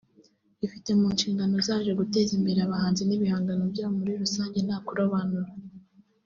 rifite mu nshingano zaryo guteza imbere abahanzi n’ibihangano byabo muri rusange nta kurobanura